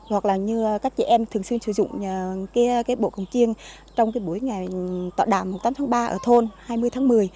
hoặc là như các chị em thường xuyên sử dụng cái bộ cồng chiêng trong cái buổi tọa đàm tám tháng ba ở thôn hai mươi tháng một mươi